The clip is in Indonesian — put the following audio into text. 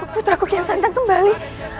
putraku kiansantan kembali